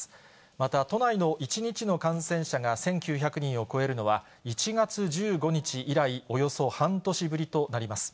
また、都内の１日の感染者が１９００人を超えるのは１月１５日以来、およそ半年ぶりとなります。